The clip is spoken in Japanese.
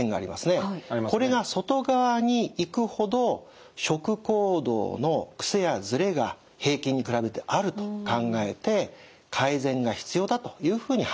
これが外側にいくほど食行動のくせやずれが平均に比べてあると考えて改善が必要だというふうに判定します。